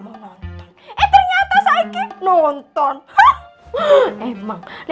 maksudmu apa komentar komentar